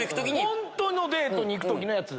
本当のデートに行く時の。